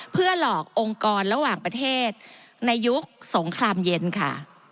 เพื่อหลอกองค์กรระหว่างประเทศในยุคสงครามเย็นค่ะ